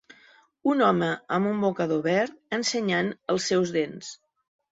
Un home amb un mocador verd ensenyant els seus dents.